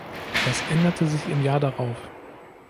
Das änderte sich im Jahr darauf.